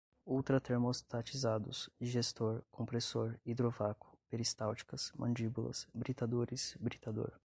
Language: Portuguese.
ultratermostatizados, digestor, compressor, hidrovácuo, peristálticas, mandíbulas, britadores, britador